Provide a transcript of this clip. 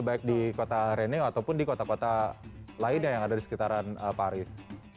baik di kota reneo ataupun di kota kota lainnya yang ada di sekitaran paris